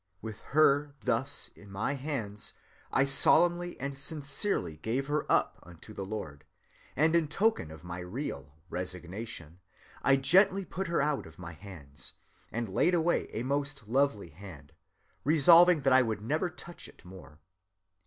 With her thus in my hands, I solemnly and sincerely gave her up unto the Lord: and in token of my real Resignation, I gently put her out of my hands, and laid away a most lovely hand, resolving that I would never touch it more.